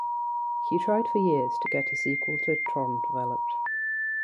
He tried for years to get a sequel to "Tron" developed.